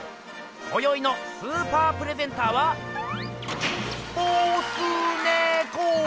こよいのスーパープレゼンターはボスネコー！